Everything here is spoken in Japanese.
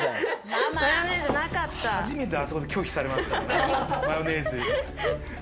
初めてあそこで拒否されましたからね。